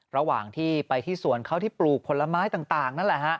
ระหว่างที่ไปที่สวนเขาที่ปลูกผลไม้ต่างนั่นแหละฮะ